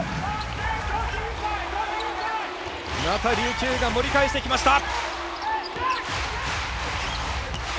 また琉球がが盛り返してきました。